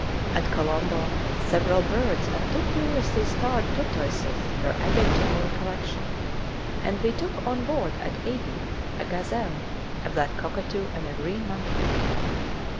At Colombo several birds and two curiously starred tortoises were added to our collection; and we took on board at Aden a gazelle, a black cockatoo, and a green monkey.